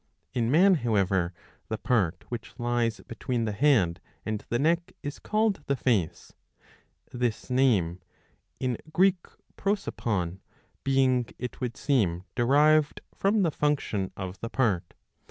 In man, however, the part which lies between the head and the neck is called the face, this name (in Greek prosopoii) being, it would seem, derived from the function of the part.